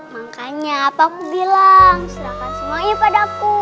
makanya apa aku bilang silakan semuanya padaku